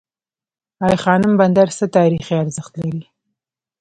ای خانم بندر څه تاریخي ارزښت لري؟